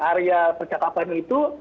area percakapan itu